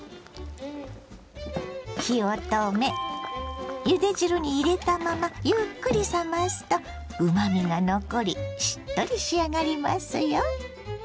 火を止めゆで汁に入れたままゆっくり冷ますとうまみが残りしっとり仕上がりますよ。